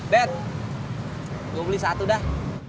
bet gue beli satu dah